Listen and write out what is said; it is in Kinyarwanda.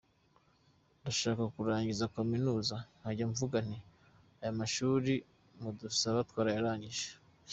Ndashaka kurangiza Kaminuza nkajya mvuga nti ‘ayo mashuri mudusaba twarayarangije’.